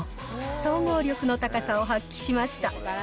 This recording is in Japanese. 総合力の高さを発揮しました。